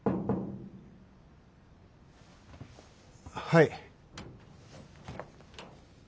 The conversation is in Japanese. はい。